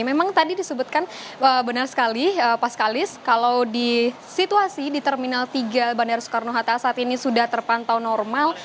memang tadi disebutkan benar sekali pas kalis kalau di situasi di terminal tiga bandara soekarno hatta saat ini sudah terpantau normal